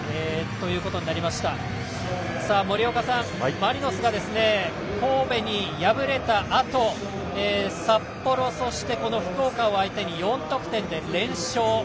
マリノスは神戸に敗れたあと札幌、そして福岡を相手に４得点で連勝。